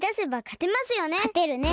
かてるね。